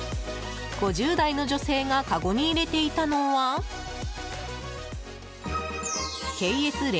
５０代の女性がかごに入れていたのはケイエス